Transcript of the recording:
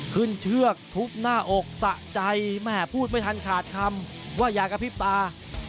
เชือกทุบหน้าอกสะใจแม่พูดไม่ทันขาดคำว่าอย่ากระพริบตา